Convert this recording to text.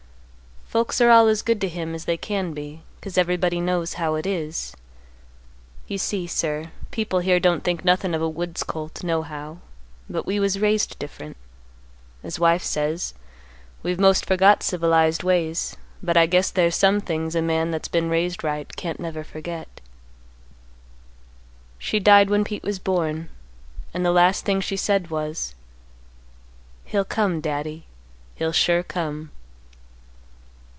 Folks are all as good to him as they can be, 'cause everybody knows how it is. You see, sir, people here don't think nothin' of a wood's colt, nohow, but we was raised different. As wife says, we've most forgot civilized ways, but I guess there's some things a man that's been raised right can't never forget. "She died when Pete was born, and the last thing she said was, 'He'll come, Daddy, he'll sure come.